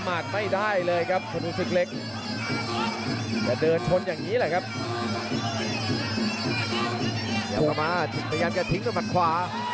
ออกมาพยายามจะทิ้งด้วยมัดขวา